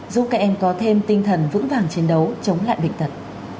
giúp các em có thêm tinh thần vững vàng chiến đấu chống lại bệnh tật